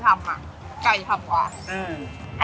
ไก่ชำกว่า